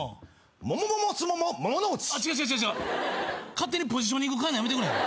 勝手にポジショニング替えるのやめてくれへん。